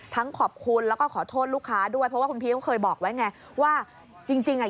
ทั้งขอบคุณแล้วก็ขอโทษลูกค้าด้วยเพราะว่าพี่เคยบอกไว้ไงว่าจริงอ่ะ